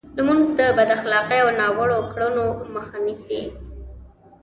لمونځ د بد اخلاقۍ او ناوړو کړنو مخه نیسي.